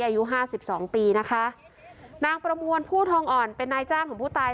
อายุห้าสิบสองปีนะคะนางประมวลผู้ทองอ่อนเป็นนายจ้างของผู้ตาย